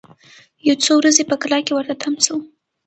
یو څو ورځي په کلا کي ورته تم سو